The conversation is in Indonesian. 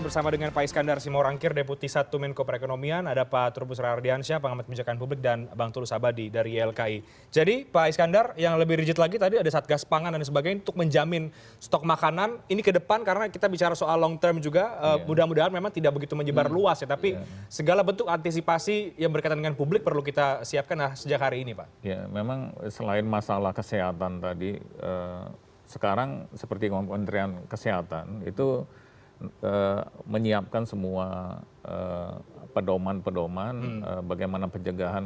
memang selain masalah kesehatan tadi sekarang seperti kementerian kesehatan itu menyiapkan semua pedoman pedoman bagaimana penjagaan